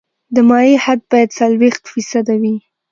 د مایع حد باید څلوېښت فیصده وي